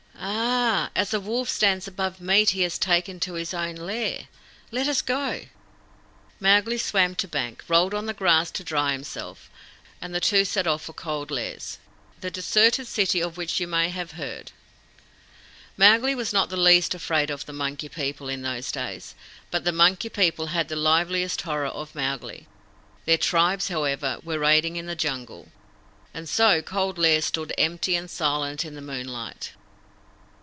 "Ah! As a wolf stands above meat he has taken to his own lair. Let us go." Mowgli swam to bank, rolled on the grass to dry himself, and the two set off for Cold Lairs, the deserted city of which you may have heard. Mowgli was not the least afraid of the Monkey People in those days, but the Monkey People had the liveliest horror of Mowgli. Their tribes, however, were raiding in the Jungle, and so Cold Lairs stood empty and silent in the moonlight.